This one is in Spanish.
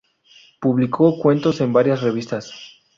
Publicó cuentos en varias revistas.